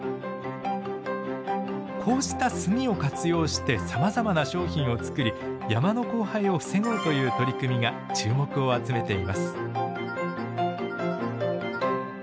こうした炭を活用してさまざまな商品を作り山の荒廃を防ごうという取り組みが注目を集めています。